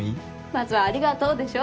まずはありがとうでしょ。